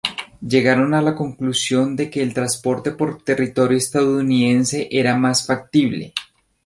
Llegaron a la conclusión de que el transporte por territorio estadounidense era más factible.